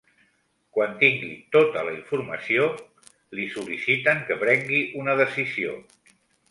Quan tingui tota la informació, li sol·liciten que prengui una decisió.